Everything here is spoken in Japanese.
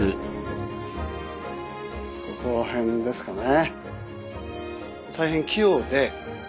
ここら辺ですかね